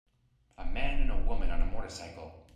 A man and a woman on a motorcycle.`